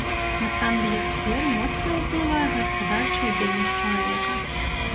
На стан біясферы моцна ўплывае гаспадарчая дзейнасць чалавека.